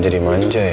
jadi gimana saham